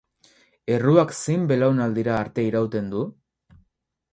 Erruak zein belaunaldira arte irauten du?